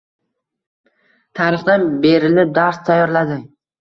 Tarixdan berilib dars tayyorladi